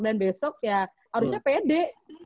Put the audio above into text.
dan besok ya harusnya pede